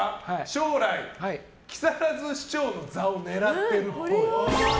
将来、木更津市長の座を狙ってるっぽい。